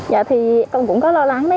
dạ thì em cũng có lo lắng đấy